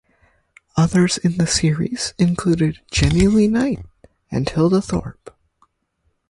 Others in the series included Jennie Lea Knight and Hilda Thorpe.